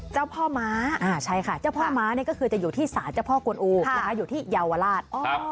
เจ้าพ่อม้าใช่ค่ะเจ้าพ่อม้านี่ก็คือจะอยู่ที่ศาลเจ้าพ่อกวนอูอยู่ที่เยาวราช